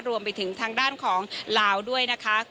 รวมไปถึงทางด้านของลาวด้วยนะคะ